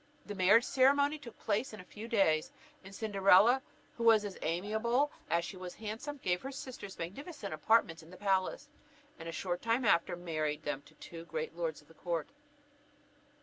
The marriage ceremony took place in a few days; and Cinderella, who was as amiable as she was handsome, gave her sisters magnificent apartments in the palace, and a short time after married them to two great lords of the court.